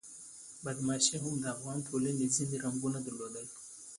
بدماشي هم د افغان ټولنې ځینې رنګونه درلودل.